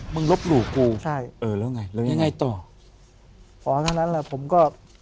ลบหลู่กูใช่เออแล้วไงแล้วยังไงต่ออ๋อเท่านั้นแหละผมก็